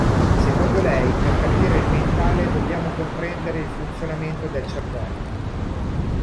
Secondo lei per capire il mentale dobbiamo comprendere il funzionamento del cervello.